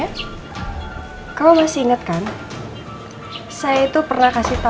kasih tanda ini ke michelle dan angga tapi kalau misalnya michelle juga masih ada atau lebih besar